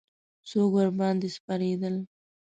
څوک ورباندې سپرېدل.